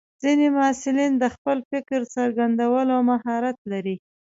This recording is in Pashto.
ځینې محصلین د خپل فکر څرګندولو مهارت لري.